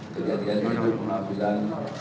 kejadian ini mengambilkan